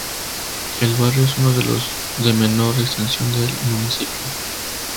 El barrio es uno de los de menor extensión del municipio.